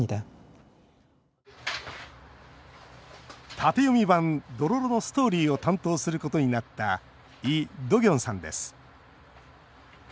縦読み版「どろろ」のストーリーを担当することになったイ・ドギョンさんです。